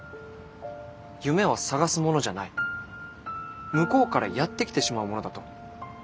夢は探すものじゃない向こうからやって来てしまうものだと。